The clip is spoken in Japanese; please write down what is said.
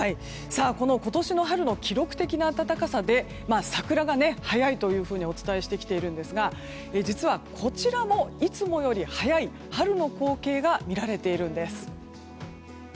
この今年の春の記録的な暖かさで桜が早いとお伝えしてきていますが実は、こちらもいつもより早い春の光景が見られているんです。